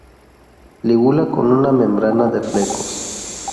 Lígula con una membrana de flecos.